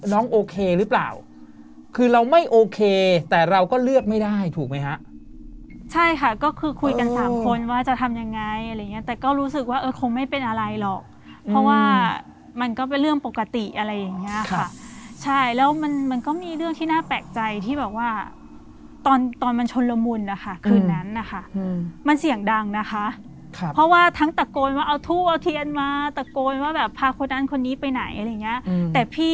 น้องโอเคหรือเปล่าคือเราไม่โอเคแต่เราก็เลือกไม่ได้ถูกไหมฮะใช่ค่ะก็คือคุยกันสามคนว่าจะทำยังไงอะไรอย่างเงี้ยแต่ก็รู้สึกว่าเออคงไม่เป็นอะไรหรอกเพราะว่ามันก็เป็นเรื่องปกติอะไรอย่างเงี้ยค่ะใช่แล้วมันมันก็มีเรื่องที่น่าแปลกใจที่แบบว่าตอนตอนมันชนละมุนนะคะคืนนั้นนะคะอืมมันเสียงดังนะคะครับเพราะว่า